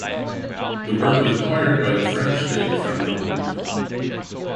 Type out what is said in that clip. The work was acquired by the French state from the monarchy.